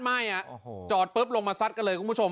จอดปุ๊บลงมาซัดกันเลยคุณผู้ชม